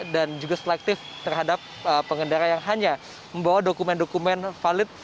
dan juga dengan pemeriksaan yang terhadap pengendara yang hanya membawa dokumen dokumen valid